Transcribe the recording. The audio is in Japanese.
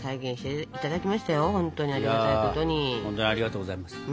ほんとにありがとうございます。